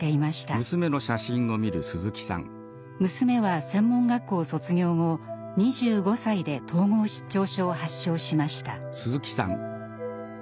娘は専門学校を卒業後２５歳で統合失調症を発症しました。